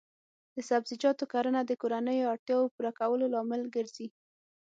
د سبزیجاتو کرنه د کورنیو اړتیاوو پوره کولو لامل ګرځي.